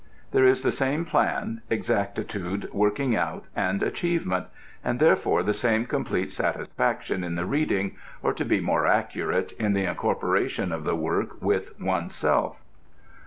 There is the same plan, exactitude, working out and achievement; and therefore the same complete satisfaction in the reading, or to be more accurate, in the incorporation of the work with oneself.